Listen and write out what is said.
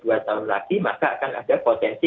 dua tahun lagi maka akan ada potensi